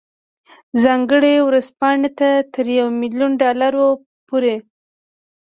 ځانګړې ورځپاڼې ته تر یو میلیون ډالرو پورې.